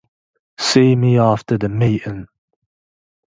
See me after the meeting.